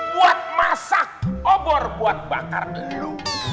buat masak obor buat bakar dulu